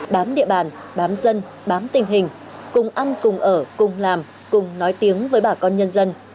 bám địa bàn bám dân bám tình hình cùng ăn cùng ở cùng làm cùng nói tiếng với bà con nhân dân